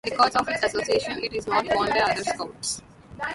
Because of its association it is not worn by other scouts.